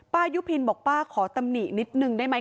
ยุพินบอกป้าขอตำหนินิดนึงได้ไหม